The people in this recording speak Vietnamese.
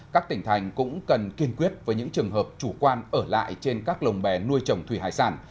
các tỉnh thành cũng cần kiên quyết với những trường hợp chủ quan ở lại trên các lồng bè nuôi trồng thủy hải sản